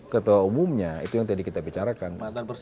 ketua umumnya itu yang tadi kita bicarakan